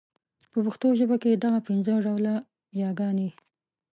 په پښتو ژبه کي دغه پنځه ډوله يې ګاني